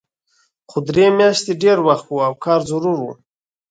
خو درې میاشتې ډېر وخت و او کار ضرور و